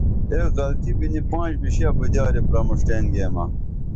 ایک غلطی بِنی پانش بِشی اُبدیاری پرمُݜٹین گیمہ